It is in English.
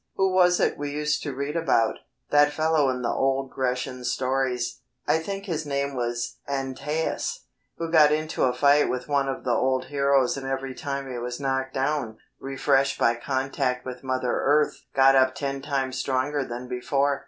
Who was it we used to read about that fellow in the old Grecian stories I think his name was Antaeus, who got into a fight with one of the old heroes and every time he was knocked down, refreshed by contact with mother earth, got up ten times stronger than before.